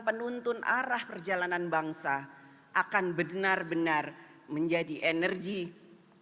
penuntun arah perjalanan bangsa akan benar benar menjadi energi dan kekuatan nasional indonesia